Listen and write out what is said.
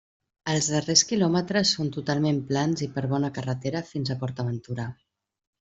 Els darrers quilòmetres són totalment plans i per bona carretera fins a PortAventura.